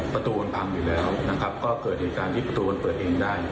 ประตูมันพังอยู่แล้วนะครับก็เกิดเหตุการณ์ที่ประตูมันเปิดเองได้